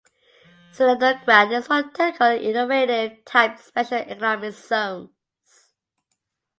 Zelenograd is one of technical-innovative type Special economic zones.